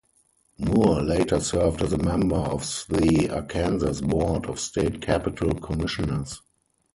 Moore later served as a member of the Arkansas Board of State capital commissioners.